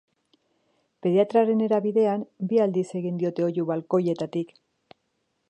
Pediatrarenera bidean bi aldiz egin diote oihu balkoietatik.